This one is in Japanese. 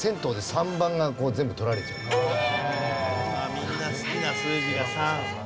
みんな好きな数字が３。